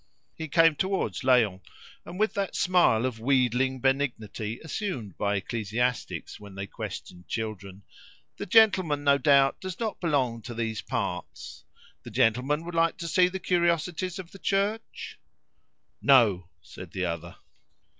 He came towards Léon, and, with that smile of wheedling benignity assumed by ecclesiastics when they question children "The gentleman, no doubt, does not belong to these parts? The gentleman would like to see the curiosities of the church?" "No!" said the other.